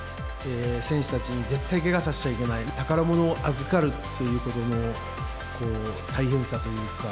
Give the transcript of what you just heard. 選手たち、絶対けがさせちゃいけない、宝物を預かるっていうことの大変さというか。